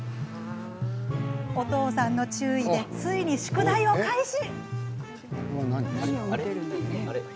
お父さんの注意でついに宿題を開始。